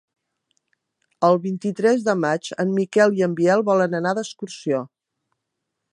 El vint-i-tres de maig en Miquel i en Biel volen anar d'excursió.